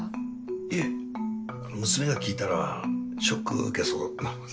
いえ娘が聞いたらショック受けそうなので。